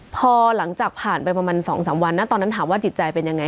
พอหลังจากผ่านไปประมาณ๒๓วันนะตอนนั้นถามว่าจิตใจเป็นยังไง